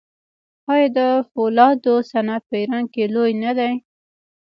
آیا د فولادو صنعت په ایران کې لوی نه دی؟